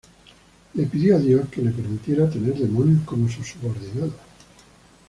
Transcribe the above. Le pidió a Dios que le permitiera tener demonios como sus subordinados.